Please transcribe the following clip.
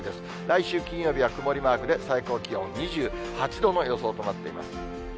来週金曜日は曇りマークで、最高気温２８度の予想となっています。